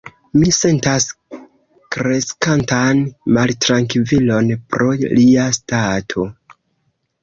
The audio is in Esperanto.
Mi sentas kreskantan maltrankvilon pro lia stato.